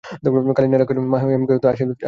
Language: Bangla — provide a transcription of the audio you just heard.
কাল নলিনাক্ষের মা হেমকে আশীর্বাদ করিয়া দেখিয়া গেছেন।